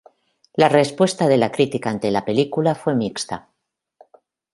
Las respuesta de la crítica ante la película fue mixta.